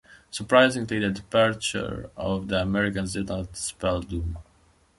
Surprisingly the departure of the Americans did not spell doom.